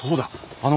あの。